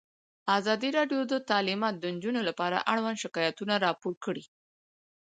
ازادي راډیو د تعلیمات د نجونو لپاره اړوند شکایتونه راپور کړي.